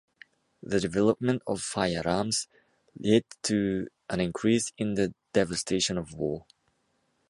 The development of firearms led to an increase in the devastation of war.